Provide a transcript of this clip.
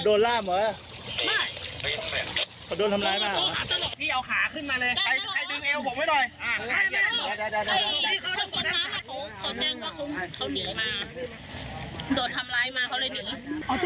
โดดทำร้ายมาเขาเลยดี